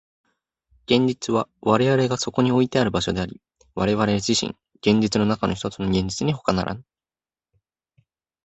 現実は我々がそこにおいてある場所であり、我々自身、現実の中のひとつの現実にほかならぬ。